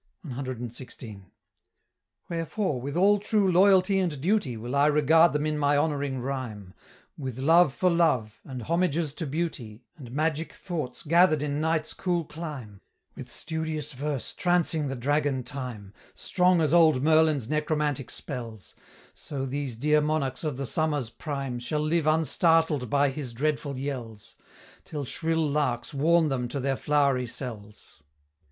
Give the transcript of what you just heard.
CXVI. "Wherefore with all true loyalty and duty Will I regard them in my honoring rhyme, With love for love, and homages to beauty, And magic thoughts gather'd in night's cool clime, With studious verse trancing the dragon Time, Strong as old Merlin's necromantic spells; So these dear monarchs of the summer's prime Shall live unstartled by his dreadful yells, Till shrill larks warn them to their flowery cells."